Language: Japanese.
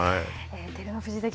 照ノ富士関